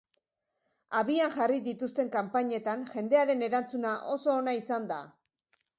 Abian jarri dituzten kanpainetan jendearen erantzuna oso ona izan da.